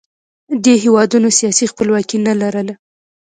دې هېوادونو سیاسي خپلواکي نه لرله